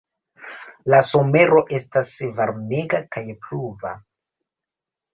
La somero estas varmega kaj pluva.